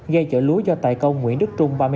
ghe chợ lúa do tài công nguyễn đức trung